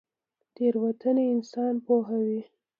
تیروتنه انسان پوهوي